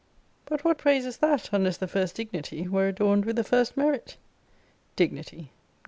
But what praise is that, unless the first dignity were adorned with the first merit? Dignity!